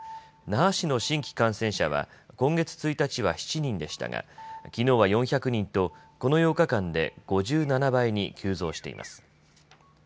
那覇市の新規感染者は今月１日は７人でしたがきのうは４００人とこの８日間で５７倍に急増しています。